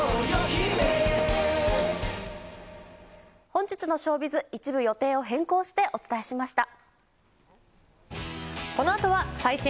本日のショービズ、一部予定を変更してお伝えしました。